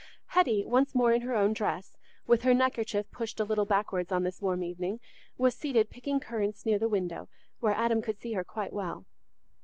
Hetty, once more in her own dress, with her neckerchief pushed a little backwards on this warm evening, was seated picking currants near the window, where Adam could see her quite well.